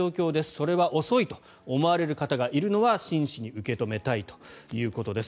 それは遅いと思われる方がいるのは真摯に受け止めたいということです。